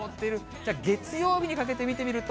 じゃあ、月曜日にかけて見てみると。